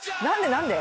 何で？